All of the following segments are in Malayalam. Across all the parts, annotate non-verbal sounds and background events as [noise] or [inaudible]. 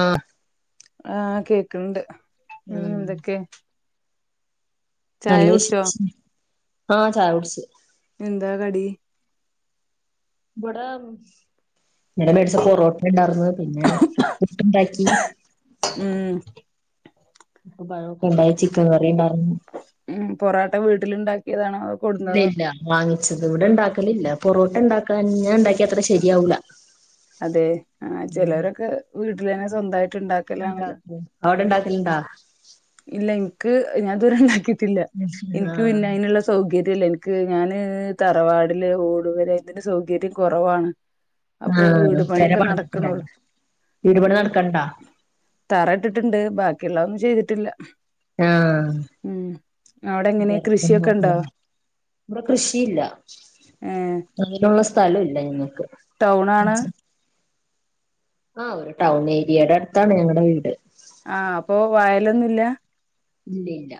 ആഹ ആഹ കേക്കണ്ട് ഉം എന്തൊക്കെ? ചായ നല്ല കുടിച്ചോ വിശേഷം ആഹ ചായ കുടിച്ചു എന്താ കടി? ഇടെ നിന മേടിച്ച പൊറോട്ടണ്ടാ പിന്നെ പുട്ട്ണ്ടാക്കി ഉം ഇപ്പൊ പഴൊക്കെ ഇണ്ടായി ചിക്കൻ കറിണ്ടായിരുന്നു പൊറട്ട വീട്ടിലുണ്ടാക്കി ഇല്ല ഇല്ല വാങ്ങിച്ചത് ഇവിടെ ഇണ്ടാക്കലില്ല പൊറോട്ട ഉണ്ടാക്കാ ഞാൻ ഉണ്ടാക്കി അത്ര ശരിയാവൂല അതെ ആ ചിലവരൊക്കെ വീട്ടില തന്നെ സ്വന്തമായി ണ്ടാക്കലാണല്ലോ ഉണ്ടാക്കും അവിടെ ഇണ്ടാക്കലുണ്ടാ ഇല്ല എനിക്ക് ഞാൻ ഇത് വരെ ഉണ്ടാക്കി ട്ടില്ല എനിക്ക് ആഹ് പിന്നെ അതിനുള്ള സൗകര്യ ല്ല എനിക്ക് ഞാന് തറവാടില് ഓടുപെ രെ തി ന് സൗകര്യം കുറവാണ് അപ്പൊ ആഹ് വീട് പെര പണിയൊക്കെ നടക്കണള്ളു പണിതിട്ടുണ്ടല്ലേ വീട് പണി നടക്കണ്ടാ തറ ഇട്ടിട്ടുണ്ട് ബാക്കിയുള്ള ഒന്നും ചെയ്തിട്ടില്ല ആഹ് ഉം അവിടെ എങ്ങനെ കൃഷിയൊക്കെ ഇണ്ടോ [unintelligible] ഇവിടെ കൃഷിയില്ല ഏഹ് അതി നുള്ള സ്ഥലം ഇല്ല ഞങ്ങക്ക് ആണ് ആഹ് ഒരു ടൗൺ ഏരിയയുടെ അടുത്താണ് ഞങ്ങളടെ വീട് വയലൊന്നുമില്ല ഇല്ല ഇല്ല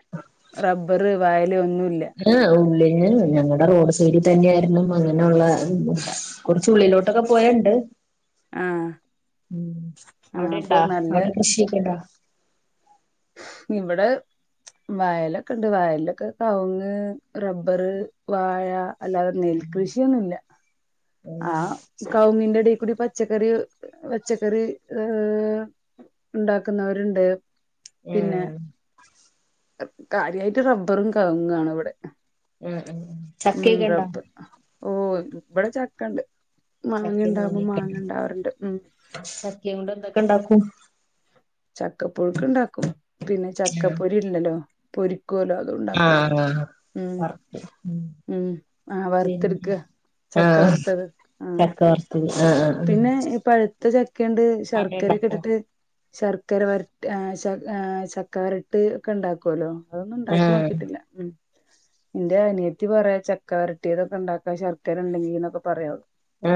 റബർ വയ ആ ഉള്ളിങ്ങ ഞങ്ങളടെ റോഡ് [unintelligible] തന്നെയായിരുന്നു അങ്ങനെയുള്ള കുറച്ച് ഉള്ളിലോട്ടൊക്കെ പോയ ണ്ട് ആഹ് ഉം ആഹ് അവിടെ അപ്പൊ ഇണ്ടാ നല്ല അവിടെ കൃഷിയൊക്കെ ഉണ്ടാ ഇവിടെ വയലൊക്കെ ഉണ്ട് വയലൊക്കെ കവുങ്ങ്, റബ്ബർ, വാഴ അല്ലാതെ നെൽകൃഷിയൊന്നുമില്ല ആഹ് ആ കൗങ്ങിന്റെ ഇടേൽ ക്കൂടി പച്ചക്കറി പച്ചക്കറി ഏഹ് ഉണ്ടാക്കുന്നവരുണ്ട് പിന്നെ ആഹ് കാര്യമായിട്ട് റബ്ബറും കവുങ്ങും ആണ് ഇവിടെ ഉം ഉം ഉം ചക്കയൊക്കെ ഉണ്ടോ റബ്ബർ ഓ ഇവിടെ ചക്കണ്ട് ചക്കയും മാങ്ങുണ്ടാവുമ്പോ മാങ്ങയൊക്കെ ഇണ്ടാ മാങ്ങ ഉണ്ടാവാറുണ്ട് ഉം ചക്കയും കൊണ്ട് എന്തൊക്കെ ഇണ്ടാക്കും ചക്കപ്പുഴുക്ക് ഉണ്ടാക്കും പിന്നെ ചക്കപ്പൊരി ഇല്ലല്ലോ പൊരി [unintelligible] അത് ഉണ്ടാക്കും ആഹ് ആഹ് ഉം ഉം ആഹ് വറുത്തെടുക്ക പിന്നെ ചക്ക ആഹ് വറുത്തത് ആ ചക്ക വറുത്തത് ആഹ് ആഹ് ആഹ് പിന്നെ പഴുത്ത ചക്കണ്ട് അട ശർക്കര ക്കെ ഇണ്ടാക്കോ ഇട്ടിട്ട് ശർക്കര വരട്ട് ആ ആ ചക്ക വരട്ട് ഒക്കെ ഉണ്ടാക്കല്ലോ അതൊന്നും ഉണ്ടാക്കി ആഹ് നോക്കിയിട്ടില്ല ഉം എന്റെ അനിയത്തി പറയും ചക്ക വരട്ടിയതൊക്കെ ഉണ്ടാക്കാ ശർക്കര ഉണ്ടെങ്കി എന്നൊക്കെ പറയും ആ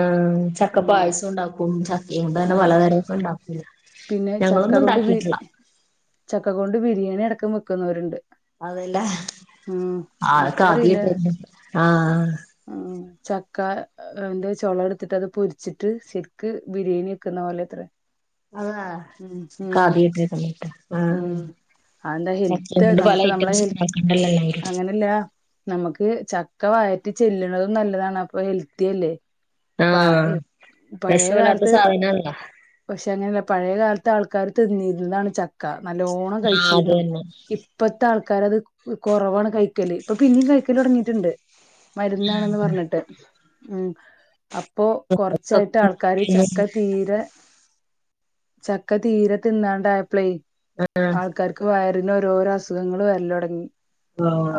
ചക്ക പായസം ഉണ്ടാക്കും ചക്കയും ആ തന്നെ പലതരൊക്കെ ഉണ്ടാക്കൂലേ പിന്നെ ചക്ക ഞങ്ങളൊന്നും കൊണ്ട് ബി ഉണ്ടാക്കിട്ടില്ല ചക്ക കൊണ്ട് ബിരിയാണി അടക്കം വെക്കുന്നവരുണ്ട് അതല്ലേ ഉം ആൾക്ക എനിക്കറിയില്ല ആദ്യട്ട് ആഹ് ഉം ചക്ക എന്താ ചോള എടുത്തിട്ട് അത് പൊരിച്ചിട്ട് ശരിക്ക് ബിരിയാണി വെക്കുന്ന പോലെ എത്രേ അതാ കാദ ഇട്ടേ [unintelligible] ആഹ് ഉം അതെന്താ ചക്കയും ഹെൽത്ത് കൊണ്ട് പല നമുക്ക് നമ്മളെ ഐറ്റംസ് ഹെൽ ഉണ്ടാക്കണ്ടല്ലോ എല്ലാവരും അങ്ങനല്ല നമുക്ക് ചക്ക വയറ്റി ചെല്ലണതും നല്ലതാണ് അപ്പൊ ഹെൽത്തിയല്ലേ പ ആഹ് പഴയ വിഷമില്ലാത്ത കാലത്ത് സാധനല്ല പക്ഷെ അങ്ങനെയല്ല പഴയകാലത്ത് ആൾക്കാര് തിന്നി ഇരുന്നതാണ് ചക്ക നല്ലോണം ആഹ് അത് കഴിച്ചിരുന്നു തന്നെ ഇപ്പത്തെ ആൾ ക്കാരത് കുറവാണ് കഴിക്കല് ഇപ്പൊ പിന്നെയും കഴിക്കല് തുടങ്ങിട്ടുണ്ട് മരുന്നാണെന്ന് പറഞ്ഞിട്ട് ഉം അപ്പൊ കൊറച്ചായിട്ട് ആൾക്കാര് ചക്ക തീരെ ചക്ക തീരെ തിന്നാണ്ടായപ്പളെ ആൾക്കാർക്ക് വയ പിന്നെ ഒരോരോ അസുഖങ്ങള് വരൽ തുടങ്ങി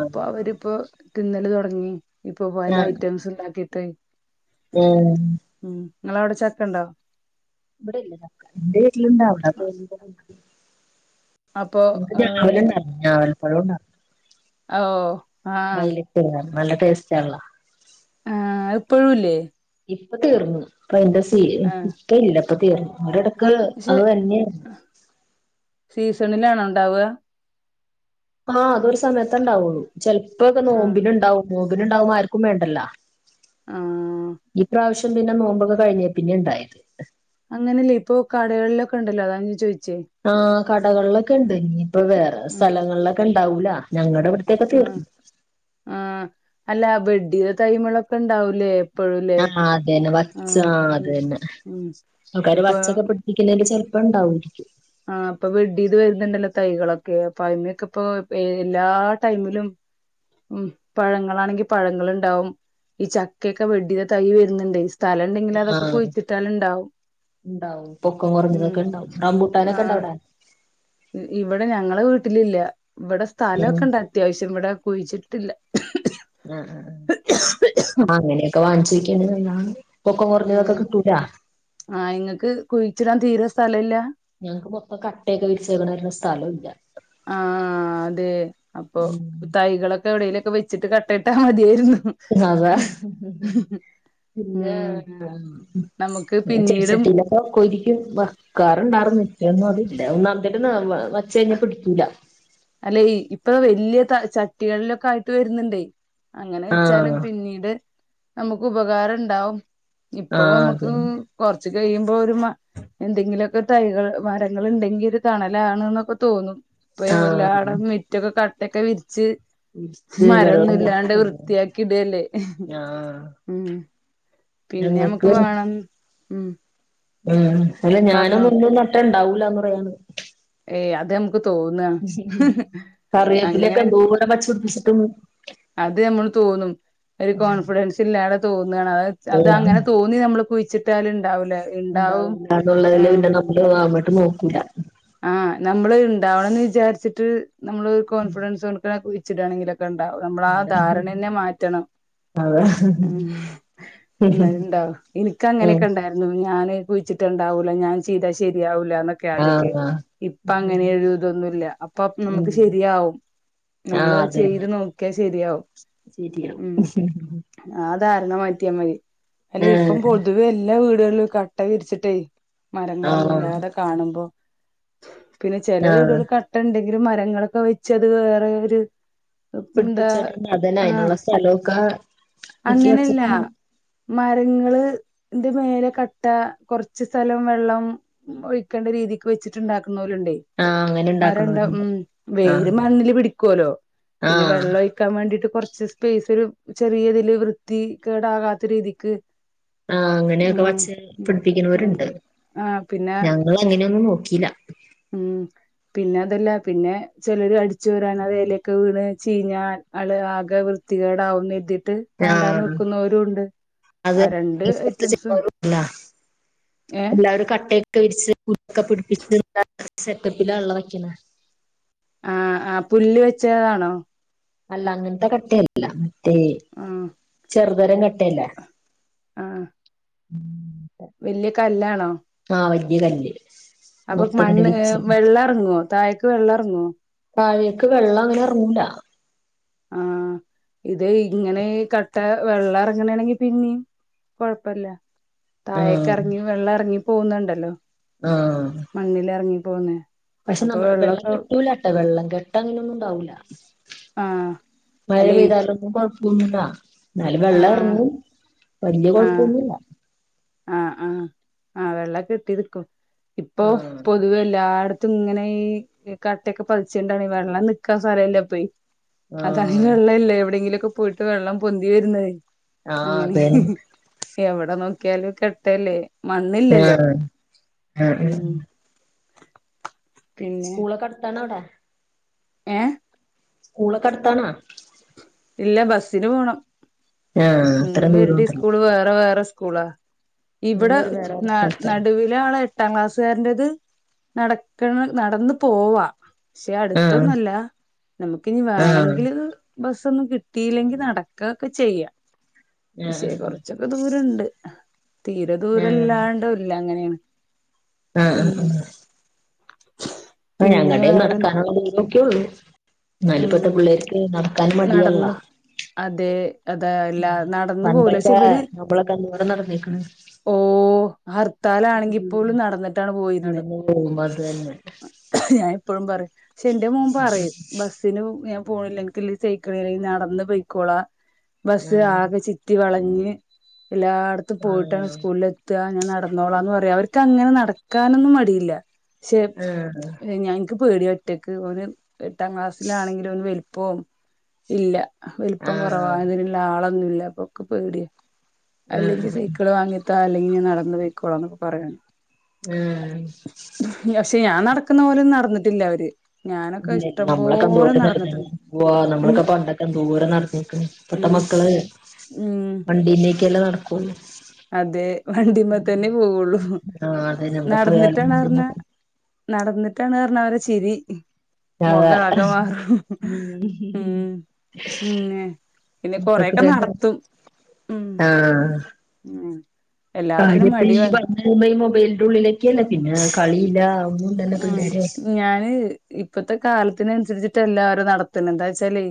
അപ്പൊ അവരിപ്പോ തിന്നല് തുടങ്ങി ഇപ്പൊ പല ഐറ്റംസ് ഉണ്ടാക്കിയിട്ട് മ് നിങ്ങള അവിടെ ചക്ക ഉണ്ടോ ഇവിടെല്ല എന്റെ വീട്ടിലുണ്ടാ അവിടെ പോ അപ്പൊ എക്ക് ആ, രാവല ഉണ്ട ഇത്- [unintelligible] രാവൽപ്പഴ ഉണ്ട ഓ ആഹ കളർ നല്ല ടെസ്റ്റ്‌ ആണല്ലോ ഇതിപ്പഴുല്ലേ ഇപ്പ തീർന്നു ഇപ്പ അതിന്റെ ആഹ് ഇപ്പ ഇല്ല ഇപ്പ തീർന്നു അവട പക്ഷെ അത് തന്നെയ സീസണിലാണോ ഉണ്ടാവുക ആഹ് അതൊരു സമയത്ത ഇണ്ടാവുള്ളു ചിലപ്പോൾ ക്കേ ആഹ് നോമ്പിന് ഉണ്ടാവ നോമ്പിന് ഉണ്ടാകുമ്പോൾ ആർക്കും വേണ്ടല്ലോ ആഹ് ഈ പ്രാവശ്യം പിന്നെ നോമ്പൊക്കെ കഴിഞ്ഞേൽ പിന്നെ ഉണ്ടായത് അങ്ങനെയല്ലേ ഇപ്പൊ കടകളിലൊക്കെ ഉണ്ടല്ലോ അതാ ചോദിച്ചു ആ കടകളിലൊക്കെ ഉണ്ട് ഇപ്പോൾ വേറെ ആഹ് സ്ഥലങ്ങളിൽ ഒന്നും ഉണ്ടായില്ല ഞങ്ങളുടെ ഇവിടത്തേക്ക ആഹ് തീർന്നു ആഹ് അല്ല വെഡിയ [unintelligible] തൈമിളൊക്കെ ഉണ്ടാവൂലേ എപ്പഴുംല്ലേ ആ അത തന്നെ വച്ച ആഹ് ആ അത ഉം തന്നെ ഉം ആൾക്കാർ ഇപ്പൊ വച്ചൊക്കെ പിടിപ്പിക്കുന്നതില് ചെറ അപ്പൊ ഉണ്ടാവുമായിരിക്കും ആ അപ്പൊ വെഡീത് വരുന്നുണ്ടല്ലോ തൈകളൊക്കെ അപ്പോ അതിനൊക്കെ അപ്പോ എല്ലാ ടൈമിലും ഉം പഴങ്ങളാണെങ്കി പഴങ്ങളുണ്ടാവും ഈ ചക്കയൊക്കെ വെടിയത തൈ വരുന്നുണ്ട ആ ഉണ്ടാവും പൊക്കം ഉം കുറഞ്ഞതൊക്കെ ഉണ്ടാവും നക്കെണ്ട ആഹ് അവിട [unintelligible] ഇവിടെ ഞങ്ങളെ വീട്ടിലില്ല ഇവിടെ ഉം സ്ഥലംക്കെ ഉണ്ട് അത്യാവശ്യം ഇവിടെ കുഴിച്ചിട്ടില്ല ആ ആ ആ അങ്ങനെയൊക്കെ വാങ്ങിച്ചിരിക്കണല്ല പൊക്കം കുറഞ്ഞത് ഒക്കെ ഉം കിട്ടൂല ആഹ് ഇങ്ങക്ക് കുഴിച്ചിടാൻ തീരെ സ്ഥല ഇല്ല ഞങ്ങക്ക് മൊപ്പം കട്ടയൊക്കെ വിരിച്ചേക്കണതു കൊണ്ട് സ്ഥലം ഇല്ല ആഹ അതെ അപ്പൊ ഉം തൈകളൊക്കെ എവിടെല വെച്ചിട്ട് കട്ടയിട്ടാൽ മതിയായിരുന്നു അതാ പിന്നെ ഉം നമുക്ക് പിന്നീടും ചെടിച്ചട്ടിയിലൊക്കെ ഒക്ക ഒരിക്കും [unintelligible] വക്കാറണ്ടായിർന്ന് ഒന്ന അതില്ല ഒന്നാമത്തെട്ട് വച്ച കഴിഞ്ഞ പിടിക്കൂല അല്ലെ ഇ ഇപ്പൊ വെല്ല്യ ചട്ടികളിലൊക്കായിട്ട് വെര്ണ് ണ്ടേ അങ്ങനെ വെച്ചാലും ആഹ് പിന്നീട് നമുക്ക് ഉപകാരണ്ടാവും ഇപ്പൊ ആഹ് നമുക്ക് അതന്നെ കൊർച്ച് കഴിയുമ്പോ ഒരു മ എന്തെങ്കിലൊക്കെ തൈകള് മരങ്ങള്ണ്ടെങ്കി ഒരു തണലാണ്ന്നൊക്കെ തോന്നും ഇപ്പോ ആഹ് എല്ലാടം മിറ്റൊക്കെ കട്ടക്കെ വിര്ച്ച് വിരിച്ച് വെള്ളം മരൊന്നുല്ലാണ്ട് വെക്കാണ് വൃത്തിയാക്കിടല്ലേ ആഹ് ഉം പിന്നെ നമക്ക് ഞങ്ങക്ക് വേണം ഉം ഉം അല്ല പറഞ്ഞോ ഞാനൊന്നും ഒന്നു നട്ടാണ്ടാവൂല്ലന്ന് പറയാണ്. ഏയ് അത് നമക്ക് തോന്ന കറിവേപ്പിലൊക്കെ അങ്ങനെ എന്തോരം വച്ച് പിടിപ്പിച്ചിട്ടും അത് നമ്മൾ തോന്നും ഒരു കോൺഫിഡൻസില്ലാതെ തോന്നാണ് അ അത് അങ്ങനെ തോന്നി നമ്മള് കുയിച്ചിട്ടാല്ണ്ടാവൂല്ല ഇണ്ടാവും ആ ഉണ്ടാവൂലാന്നുള്ളതില് പിന്നെ നമ്മള് അങ്ങോട്ട് നോക്കൂല ആ നമ്മള് ഇണ്ടാവണംന്ന് വിചാര്ച്ചിട്ട് നമ്മള് കോൺഫിഡൻസ് കൊട്ക്ക്ണെ കുയിച്ചിടാണെങ്കിലൊ ക്കെണ്ടാവും നമ്മള് ആ ധാരണനെ മാറ്റണം അതെ ഉം എങ്ങനെ ണ്ടാവാ ഇൻക്ക് ഉം അങ്ങനെക്കെണ്ടായിര്ന്നു ഞാന് കുയ്ച്ചിട്ടാണ്ടാവൂല്ല ഞാൻ ചെയ്താ ശെരിയാവൂല്ല ന്നൊക്കെ ആദ്യക്കേ ആഹ് ആഹ് ഇപ്പൊ അങ്ങനെ ഒരു ഇതൊന്നുല്ല അപ്പൊ നമക്ക് ഉം ശെരിയാവും ആഹ് നമ്മളഅ് ചെയ്ത് നോക്ക്യാ ശെരിയാവും. ശെരിയാ ധാരണ മാറ്റ്യാ മതി അല്ലെ ഇപ്പം പൊതുവെ എല്ലാ വീടുകളിലും കട്ട വിരിച്ചിട്ടെയ് ആഹ് മരങ്ങളൊന്നുല്ലാതെ കാണുമ്പോ പിന്നെ ചെല ആഹ് വീടുകളില് കട്ടണ്ടെങ്കിലും മരങ്ങളൊക്കെ വെച്ചെത് വേറെ ഒരു എന്താ പിടിപ്പിച്ചാട്ട് പിന്നതല്ല ആഹ് അയ്നുള്ള സ്ഥലൊക്ക ക്കി വെച്ചിട്ട് ണ്ട് മരങ്ങള്ന്റെ മേലെ കട്ട കൊർച്ച് സ്ഥലം വെള്ളം ഒഴിക്കേണ്ട രീ തിക്ക് വെച്ചിട്ട്ണ്ടാക്കുന്നോല്ണ്ടേ ആഹ് അങ്ങനെ മരണ്ട ഉണ്ടാക്കണവരുണ്ട് ഉം ആഹ് വേര് മണ്ണില് പിടിക്കോലൊ പിന്നെ ആഹ് വെള്ളൊഴിക്കാൻ വേണ്ടിട്ട് കൊറ് ച്ച് സ്പേസൊരു ചെറിയതില് വൃത്തി കേടാകാത്ത രീതിക്ക് ആ അങ്ങനെക്കെ ഉം വെച്ച് ഉം പിടിപ്പിക്കണോര്ണ്ട് നമുക്ക് ആഹ് പിന്നെ ഞങ്ങളങ്ങനൊന്നും നോക്കില ഉം പിന്നെ അതല്ല പിന്നെ ചെലോര് അടിച്ചേരാന് [unintelligible] എലോക്കെ വീണ് ചീഞ്ഞാ ള് ആകെ വൃ തികേടാവുന്നര്തിട്ട് വേണ്ടാന്ന് ആഹ് വെക്കുന്നവരുണ്ട് അത് ആ രണ്ട് ഐറ്റംസും ഏ എല്ലാരും കട്ട ക്ക വിരിച്ച് [unintelligible] ക്കെ പിടിപ്പിച്ച് [unintelligible] സെറ്റപ്പിലാ ള്ളൊ വെക്കണെ ആ ആ പുല്ല് വെച്ചതാണോ? അല്ല അങ്ങൻത്തെ കട്ടല്ല മറ്റേ ആ ചെറുതരം ക ട്ടല്ല ഉം വെല്ല്യ കല്ലാണോ? [unintelligible] കല്ല് അപ്പൊ മുറിത്തിങ്ങനെ മണ്ണ് വിരിച്ച് വെള്ളെർങ്ങോ തായ്ക്ക് വെള്ളെർങ്ങോ? താഴേക്ക് വെള്ളം അങ്ങനെർങ്ങൂല ആ ഇത് ഇങ്ങനെ ഈ കട്ട വെള്ളർങ്ങ്ണാണെങ്കി പിന്നിം കൊഴപ്പല്ല ആ താഴേക്കെർങ്ങി വെള്ളർങ്ങി പോവുന്നുണ്ടല്ലോ ആ പോന്നെ പക്ഷെ നമ്മ വെള്ളം കെട്ടൂലാട്ടോ വെള്ളം കെട്ടങ്ങനെ ന്നുണ്ടാവൂല ആ മഴ അല്ലെ പെയ്താലൊന്നും കൊഴപ്പൊന്നുല്ല എന്നാലും ആ വെള്ളെർങ്ങും വെല്യ കൊഴപ്പൊന്നുല്ല ആ ആ ആ വെള്ളക്കെട്ടി നിക്കും ഇപ്പൊ ആ പൊതുവെ എല്ലാട് ത്തുങ്ങനെ ഈ കട്ടൊക്കെ പതിച്ചിണ്ടാണെ വെള്ളം നിക്കാൻ സ്ഥലല്ലപ്പെയ് ആ അതാണ് വെള്ളല്ലെ എവിടെയെങ്കിലൊക്കെ പോയിട്ട് വെള്ളം പൊന്തി വര്ന്നെ ആ അങ്ങനെ അത് ഹ്‌ തന്നെ ഹ്‌ എവിടെ നോക്കിയാലും കെട്ടല്ലേ ആ വന്നില്ലല്ലോ ആ ആ ഉം സ്കൂളൊക്കടുത്താണവിടെ ഏഹ്‌ സ്കൂളൊക്കടുത്താണാ? ഇല്ല ബസ്സിന് പോണം ആഹ് അത്ര മൂന്ന് പേരുടെ ദൂരണ്ടല്ലോ സ്കൂള് വേറെ വേറെ സ്കൂള ഇവിടെ മൂന്നൂര് വേറെ ന സ്ഥലത്താണ് നടുവിലെ ആളെ എട്ടാം ക്ലാസ്സുകാരന്റെത് നടക്കണ നടന്ന് പോവാ പക്ഷെ ആഹ് അടുത്തൊന്നല്ല ആഹ് നമുക്ക്നിവേണെങ്കില് ബസ്സൊന്നും കിട്ടിയില്ലെങ്കി നടക്കൊക്കെ ചെയ്യാ ആഹ് പക്ഷേ കൊറച്ചൊക്കെ ദൂരണ്ട് തീരെ ദൂരം ല്ലാണ്ടല്ല അങ്ങനെയാണ് ആഹ ഉം ഹ ഹ പിന്നെ പ്പഞങ്ങൾടേ വേറെന്താ നടക്കാനുള്ളദൂരം ഒക്കെ ഒള്ളൂ ഉം നടന്ന് മടിയാണല്ലോ അതെ അതാല്ലാ നടന്നു പോവൂല ശ പണ്ടൊക്കെ ഇവര് നമ്മളൊക്കെ എന്തോരം നടന്നേക്കണ് ഓ ഹർത്താലാണെങ്കിപ്പോലും നടന്നിട്ടാണ് പോയിരുന്നെ നടന്നു പോകുമ്പോ അത് തന്നെ ഞാൻ എപ്പളും പറയും പക്ഷെ എന്റെ മോൻ പറയും ബസ്സിന് ഞാൻ പോണില്ല എനിക്ക് സൈക്കിള അല്ലെങ്കിൽ നടന്ന് പോയിക്കോളാം ബസ് ആഹ് ആകെ ചിറ്റി വളഞ്ഞ്. എല്ലാടത്തും പോയിട്ടാണ് ആഹ് സ്കൂളിൽ എത്ത ഞാൻ നടന്നോളാ എന്ന് പറയാ അ അങ്ങനെ നടക്കാനൊന്നും മടിയില്ല പക്ഷെ ആഹ് ഞങ്ങൾ ക്ക്. പേടിയ ഒറ്റക്ക് ഓന് എട്ടാം ക്ലാസ്സിലാണെങ്കിലും ഓൻ വലുപ്പൊ ഇല്ല. വൽപ്പം കുറവാ ആഹ് അതിനുള്ള ആളൊന്നുല്ല അപ്പൊൻക് പേട്യാ. അല്ലെങ്കിൽ ആഹ് സൈക്കള് വാങ്ങിത്താ അല്ലെങ്കി ഞാൻ നടന്ന് പൊയ്ക്കോളാ എന്നൊക്കെ പറ്യാണ്. ആഹ് പക്ഷെ ഞാൻ നടക്കുന്ന പോല നടന്നിട്ടില്ല അവര് ഞാനൊക്കെ ഇല്ല ഇഷ് നമ്മളൊക്കെ എന്തോരം നടന്നീണ് വോ ഇനി നമ്മളൊക്കെ പണ്ടൊക്കെ എന്തോരംനട ഇപ്പത്തെ ഉം മക്കള് ഉം വണ്ടീലേക്ക് അല്ലെ നടക്കൊള്ളു. അതെ വണ്ടിമ്മ തന്നെ പോവുള്ളു. ആഹ് അതന്നെ എവിടെ പോയാലും നടന്നിട്ടാണ് പറഞ്ഞ നടന്നിട്ടാണ് പറഞ്ഞാ അവരെ ചിരി. അതാ മൊഖാകെ മാറുംഉം ഉം ഉം. പിന്നെ കൊറെയൊക്കെ നടത്തും. ഉം ആഹ. ഉം കാര്യം എല്ലാത്തിനും ഇപ്പ മടി ഈ വ പറഞ്ഞ വരുമ്പോ ഈ മൊബൈലിന്റെ ഉള്ളിലൊക്കെയല്ലെ പിന്നെ കളില്ല ഉം ഞാന് ഇപ്പത്തെ കാല ഇതിനനുസരിച്ചിട്ടല്ല അവര് നടതുന്നത് എന്താച്ചാലേ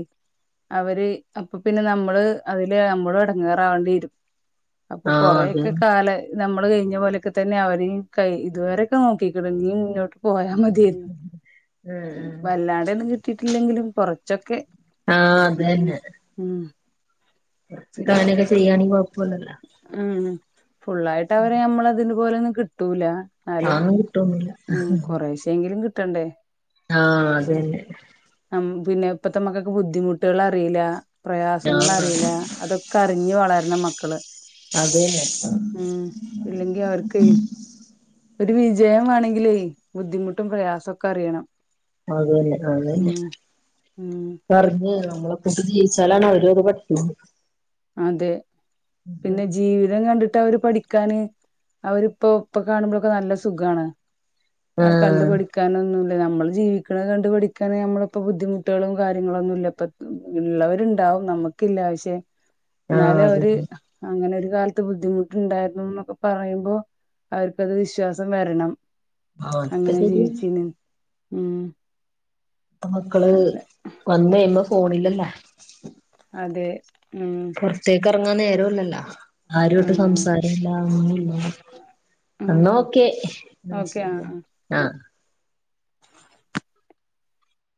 അവര് അപ്പൊ പിന്നെ നമ്മള് അതില് നമ്മള് എടണ്ടേറാവേണ്ടി വരും. അപ്പൊ ആഹ് കൊറെയൊക്കെ അതന്നെ കാലെ നമ്മൾ നമ്മൾ കയ്ഞ്ഞ പോലെയൊക്കെ തന്നെ അവരീം ഇതുവരൊക്കെ നോക്കിക്ണ് ഇഞ്ഞിമുന്നോട്ട് പോയാ മതിയായ്രുന്നു ആഹ് വല്ലാണ്ടെന്നും കിട്ടിയിട്ടില്ലെങ്കിലും കൊറച്ചൊക്കെ ആഹ ഉം അതന്നെ. ഉം കുറച്ച് പിന്നെ കാര്യക്കെ ചെയ്യാണങ്കി കൊഴപ്പോല്ല. ഉം ഫുള്ളായിട്ട് അവരെ നമ്മള അതിന് പോലെന്നും കിട്ടൂല. എന്നാലും അതൊന്നും കിട്ടൊന്നുല്ല ഉ കൊറേശെങ്കിലും കിട്ടണ്ടേ. ആഹ അതതന്നെ. ഉം പിന്നെ ഇപ്പത്തെമക്കക്ക് ബുദ്ധിമുട്ടു കള്അറീല്ല ആഹ് പ്രയാസങ്ങള്അറീല്ല അതൊക്കെ അറിഞ്ഞ് വളർ ന്ന മക്കള്. അതെന്നെ. ഉം ഇല്ലെങ്കി അവർക്ക് ഒരു വിജയം വണെങ്കിലേ ബുദ്ധിമുട്ടും പ്രയാസൊക്കെ അറ്യോണം. അത് തന്നെ അത തന്നെ ഉം പറഞ്ഞ നമ്മളെക്കെ ജീവിച്ച ന്നലാണ് അവര് അത് പഠിക്കോള്ളു. അതെ പിന്നെ ജീവിതം കണ്ടിട്ട് ഇ അവര് പഠിക്കാന് അവരിപ്പോ ഇപ്പൊ കാണുമ്പോഴൊക്കെ നല്ല സുഖമാണ്. ആ ആഹ് കണ്ടുപടിക്കാനൊന്നും നമ്മള് ജീവിക്കുന്നത് കണ്ടുപഠിക്കാന് നമ്മളിപ്പോ ബുദ്ധിമുട്ടുകളും കാര്യങ്ങളൊന്നുംല്ല ഇപ്പ ഉള്ളവരുണ്ടാവ നമുക്കില്ല പക്ഷെ ആഹ് എന്നാല് അവര് അതന്നെ അങ്ങനെ ഒര് കാലത്ത് ബുദ്ധിമുട്ടുണ്ടായിരുന്നു എന്നൊക്കെ പറയുമ്പോ അവർക്കത് വിശ്വാസം വരണം. ആഹ് അതൊക്കെ അങ്ങനെ ശരിയാ ജീവി ചീന് ഉം മക്കള് അല്ല വന്ന്കെയ്യുമ്പോ ഫോണിലല്ലേ? അതെ ഉം. ഇറങ്ങാൻ നേരോല്ലല്ലോ ആരോട്ട് ആഹ് സംസാരോല്ല ഒന്നൂല്ല ആഹ് ന്നാഅ ഓ ക്കെന്നാ ഓക്കെ ശെരിയാ ആഹ് ആ